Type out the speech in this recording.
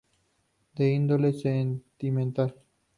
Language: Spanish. De índole sentimental.